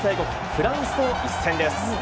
フランスの一戦です。